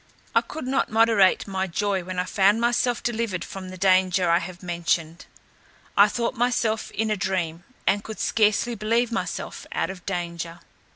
I could not moderate my joy when I found myself delivered from the danger I have mentioned. I thought myself in a dream, and could scarcely believe myself out of danger.